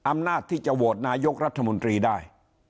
อำนาจที่จะโหวตนายกรัฐมนตรีได้